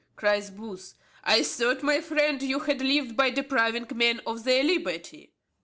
cries Booth. "I thought, my friend, you had lived by depriving men of their liberty."